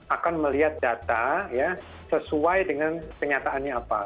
akan melihat data ya sesuai dengan kenyataannya apa